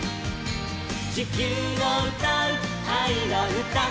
「地球のうたうあいのうた」